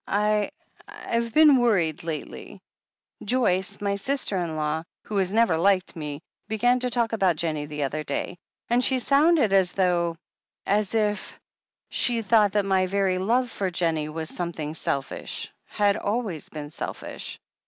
"I — I've been worried lately. Joyce — ^my sister in law — ^who has never liked me — began to talk about Jennie the other day. And she soimded as though — ^as <(1 436 THE HEEL OF ACHILLES if — she thought that my very love for Jennie was some thing selfish — had always been selfish.